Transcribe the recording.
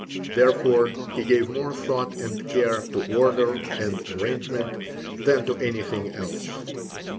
Therefore he gave more thought and care to order and arrangement than to anything else.